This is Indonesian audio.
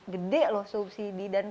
gede loh subsidi dan